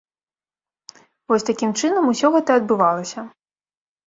Вось такім чынам усё гэта адбывалася.